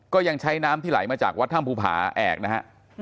ก็ยังใช้น้ำที่ไหลมาจากวัดถ้ำภูผาแอกนะฮะ